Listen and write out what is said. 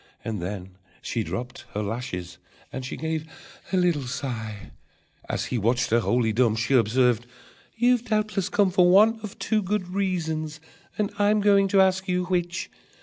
And then she dropped her lashes and she gave a little sigh. As he watched her, wholly dumb, She observed: "You doubtless come For one of two good reasons, and I'm going to ask you which.